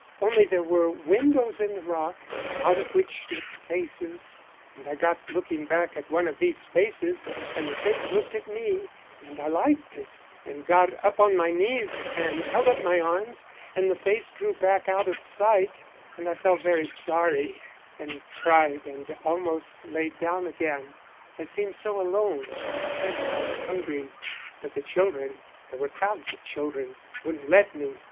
Only there were windows in the rock, out of which looked faces, and I got looking back at one of these faces and the face looked at me, and I liked it and got up on my knees and held up my arms, and the face drew back out of sight, and I felt very sorry and cried and almost laid down again. I seemed so alone and hurt and hungry. But the children there were crowds of children wouldn't let me.